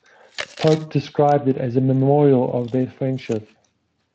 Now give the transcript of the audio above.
Pope described it as a memorial of their friendship.